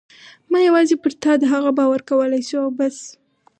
ما یوازې پر تا د هغه باور کولای شو او بس.